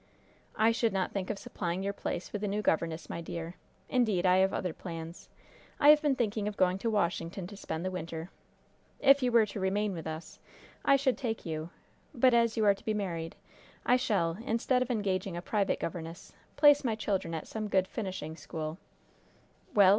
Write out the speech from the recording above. "I should not think of supplying your place with a new governess, my dear. Indeed, I have other plans. I have been thinking of going to Washington to spend the winter. If you were to remain with us, I should take you; but, as you are to be married, I shall, instead of engaging a private governess, place my children at some good finishing school Well